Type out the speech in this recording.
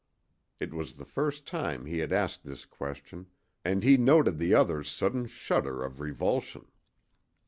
It was the first time he had asked this question, and he noted the other's sudden shudder of revulsion.